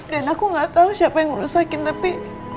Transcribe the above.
dan aku gak tau siapa yang rusakin tapi